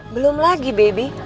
belum lagi baby